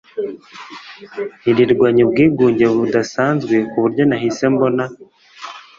nirirwanye ubwigunge budasanzwe kuburyo nahise mbona